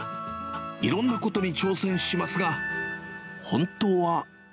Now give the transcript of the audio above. いろんなことに挑戦しますが、本当は。